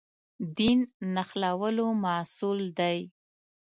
دین نښلولو محصول دی.